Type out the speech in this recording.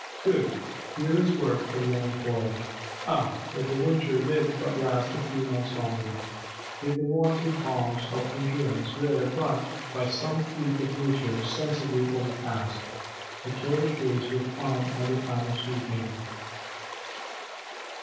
'Good; here is work for the unemployed.' Ah, if the winter did but last a few months longer, if the wonted bounds of endurance were but, by some freak of nature, sensibly overpassed, the carriage ways would find another kind of sweeping!